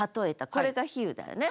これが比喩だよね。